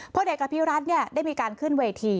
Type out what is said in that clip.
พลเอกอภิรัฐได้มีการขึ้นเวที